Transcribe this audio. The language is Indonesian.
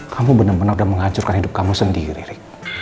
kamu benar benar udah menghancurkan hidup kamu sendiri